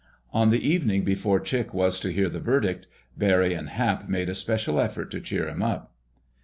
On the evening before Chick was to hear the verdict, Barry and Hap made a special effort to cheer him up.